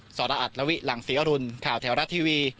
แน่นอนครับสราอัตรรวิหลังศรีอรุณข่าวแถวรัฐทีวี